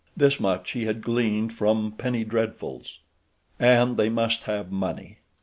This much he had gleaned from penny dreadfuls. And they must have money!